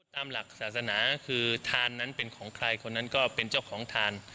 ตามหลักศาสนาคือทานนั้นเป็นของใครคนนั้นก็เป็นเจ้าของทาน